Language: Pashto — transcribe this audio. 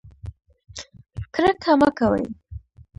کرکه مه کوئ